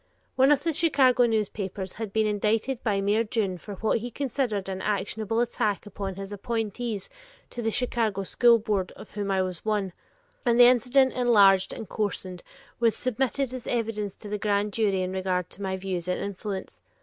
One of the Chicago newspapers had been indicted by Mayor Dunne for what he considered an actionable attack upon his appointees to the Chicago School Board of whom I was one, and the incident enlarged and coarsened was submitted as evidence to the Grand Jury in regard to my views and influence.